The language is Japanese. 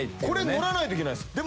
これ乗らないといけないです。